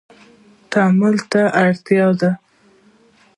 تعامل ته اړتیا ده